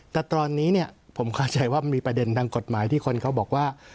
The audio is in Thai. แต่ตอนนี้เนี่ยผมเข้าใจว่ามันมีประเด็นทางกฎหมายที่คนเขาบอกว่า